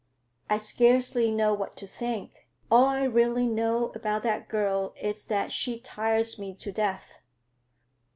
"I scarcely know what to think. All I really know about that girl is that she tires me to death.